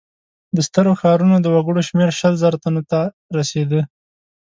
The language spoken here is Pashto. د سترو ښارونو د وګړو شمېر شل زره تنو ته رسېده.